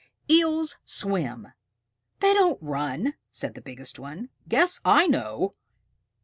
"Eels swim. They don't run," said the biggest one. "Guess I know!"